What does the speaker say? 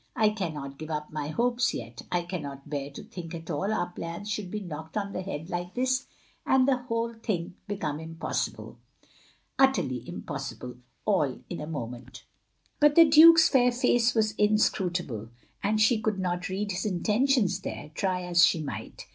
"I cannot give up my hopes yet. I cannot bear to think that all our plans should be knocked on the head like this, and the whole thing become impossible utterly impossible, all in a moment. " 348 THE LONELY LADY But the Duke's fair face was inscrutable; and she could not read his intentions there, try as she might.